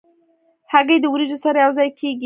هګۍ د وریجو سره یو ځای کېږي.